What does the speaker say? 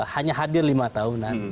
hanya hadir lima tahunan